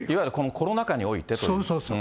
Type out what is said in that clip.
いわゆるこのコロナ禍においてということですね。